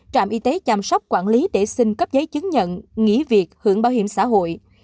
trạm y tế chăm sóc quản lý để xin cấp giấy chứng nhận nghỉ việc hưởng bảo hiểm xã hội